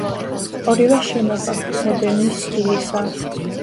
ორივე შენობა „მოდერნის“ სტილისაა.